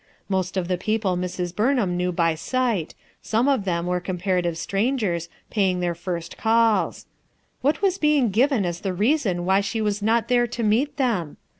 Most of the people Mrs. Burnham knew by sight; some of them were comparative strangers, paying their first calls. What was being given as the reason why she was not there to meet them?